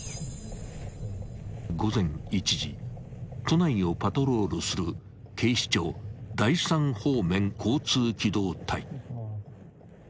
［都内をパトロールする警視庁第三方面交通機動隊］